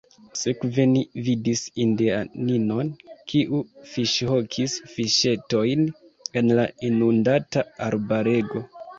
Sekve ni vidis indianinon, kiu fiŝhokis fiŝetojn en la inundata arbarego.